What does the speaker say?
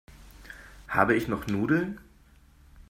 Habe ich noch Nudeln?